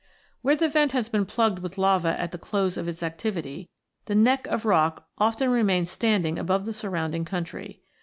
Where the vent has been plugged with lava at the close of its activity, the neck of rock often remains standing above the surrounding country.